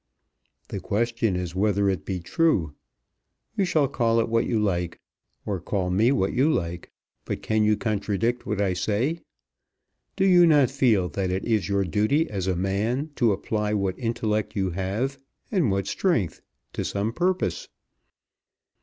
"The question is whether it be true. You shall call it what you like, or call me what you like; but can you contradict what I say? Do you not feel that it is your duty as a man to apply what intellect you have, and what strength, to some purpose?"